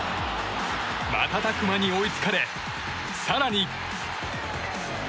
瞬く間に追いつかれ更に。